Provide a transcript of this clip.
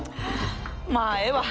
まあええわ。